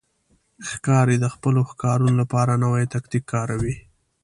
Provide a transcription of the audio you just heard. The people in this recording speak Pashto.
ښکاري د خپلو ښکارونو لپاره نوی تاکتیک کاروي.